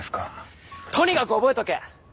とにかく覚えとけ。